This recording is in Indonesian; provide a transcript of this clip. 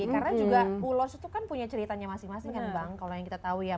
karena juga ulos itu kan punya ceritanya masing masing kan bang kalau yang kita tahu ya